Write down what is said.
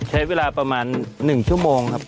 ใช้เวลาประมาณ๑ชั่วโมงครับ